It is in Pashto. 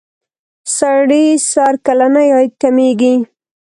سړي سر کلنی عاید کمیږي.